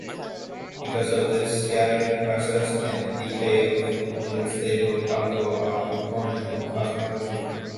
Because of this, scattering processes and decay of unstable particles are important in cosmology.